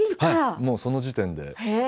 もうその時点で。